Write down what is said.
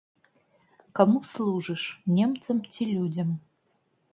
Каму служыш, немцам ці людзям?